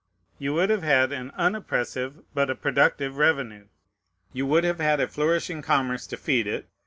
You would have had an unoppressive, but a productive revenue. You would have had a flourishing commerce to feed it.